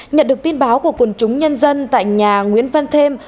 nhận được tin báo của quần chúng nhân dân tại nhà nguyễn văn thêm